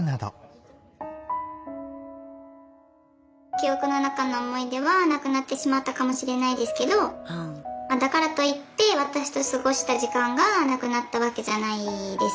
「記憶の中の思い出はなくなってしまったかもしれないですけどだからといって私と過ごした時間がなくなったわけじゃないですし」。